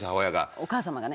お母様がね。